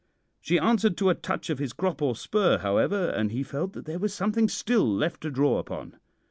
She answered to a touch of his crop or spur, however, and he felt that there was something still left to draw upon.